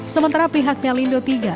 sementara pihak pelindo tiga